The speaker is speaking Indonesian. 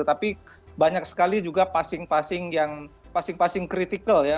tapi banyak sekali juga passing passing yang passing passing kritikal ya